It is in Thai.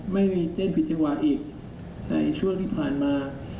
ไม่มีเต้นผิดจังหวะอีกในช่วงที่ผ่านมา